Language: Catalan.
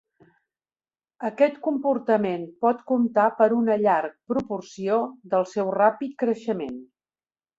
Aquest comportament pot comptar per una llarg proporció del seu ràpid creixement.